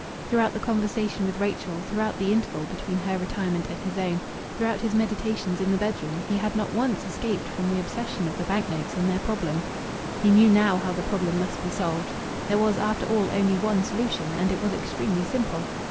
Throughout the conversation with Rachel, throughout the interval between her retirement and his own, throughout his meditations in the bedroom, he had not once escaped from the obsession of the bank notes and their problem. He knew now how the problem must be solved. There was, after all, only one solution, and it was extremely simple.